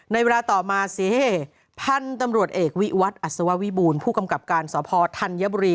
ในเวลาต่อมาเสพันธุ์ตำรวจเอกวิวัตรอัศววิบูรณ์ผู้กำกับการสพธัญบุรี